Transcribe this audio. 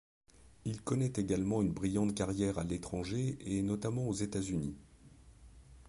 Il connaît également une brillante carrière à l'étranger et notamment aux États-Unis.